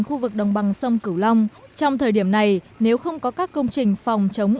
khu vực đồng bằng sông cửu long trong thời điểm này nếu không có các công trình phòng chống